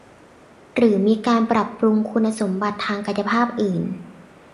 หรือมีการปรับปรุงคุณสมบัติทางกายภาพอื่น